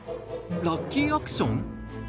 ラッキーアクション？